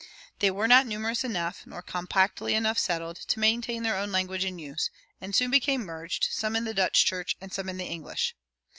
They were not numerous enough, nor compactly enough settled, to maintain their own language in use, and soon became merged, some in the Dutch church and some in the English.